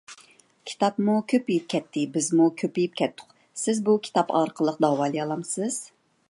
_ كىتابمۇ كۆپىيىپ كەتتى، بىزمۇ كۆپىيىپ كەتتۇق. سىز بۇنى كىتاب ئارقىلىق داۋالىيالامسىز؟